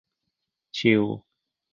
ชิล